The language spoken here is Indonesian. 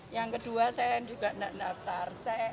yang kedua saya juga nggak daftar